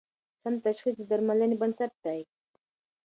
سم تشخیص د درملنې بنسټ دی.